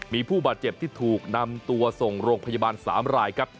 มีผู้บาดเจ็บที่ถูกนำตัวส่งโรงพยาบาล๓รายครับ